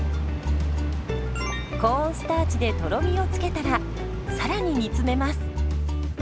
コーンスターチでとろみを付けたらさらに煮詰めます。